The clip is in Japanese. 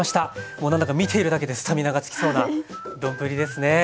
もう何だか見ているだけでスタミナがつきそうな丼ですね！